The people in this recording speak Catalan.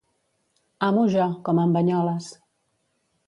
Amo jo, com en Banyoles.